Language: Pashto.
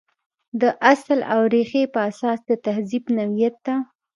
د اصل او ریښې په اساس د تهذیب نوعیت ته.